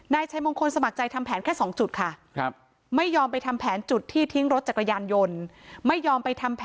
นายชายมงคลสมัครใจทำแผนแค่๒จุดค่ะไม่ยอมไปทำแผนจุดที่ทิ้งรถจากรยานยนต์